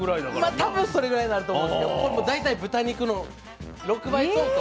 多分それぐらいになると思いますけどこれ大体豚肉の６倍相当。